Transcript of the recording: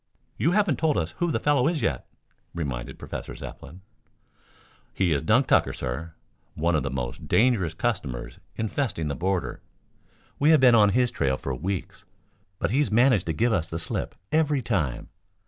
"You haven't told us who the fellow is, yet," reminded Professor Zepplin. "He is Dunk Tucker, sir, one of the most dangerous customers infesting the border. We have been on his trail for weeks, but he's managed to give us the slip every time.